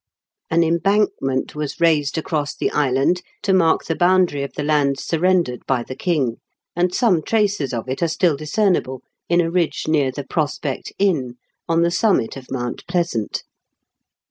An embankment was raised across the island to mark the boundary of the lands surrendered by the king, and some traces of it are still discernible in a ridge near The Prospect Inn, on the summit of Mount Pleasant.